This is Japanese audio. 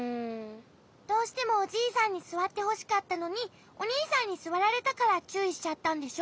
どうしてもおじいさんにすわってほしかったのにおにいさんにすわられたからちゅういしちゃったんでしょ？